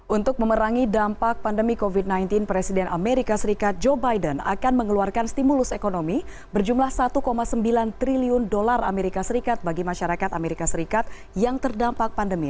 untuk memerangi dampak pandemi covid sembilan belas presiden amerika serikat joe biden akan mengeluarkan stimulus ekonomi berjumlah satu sembilan triliun dolar amerika serikat bagi masyarakat amerika serikat yang terdampak pandemi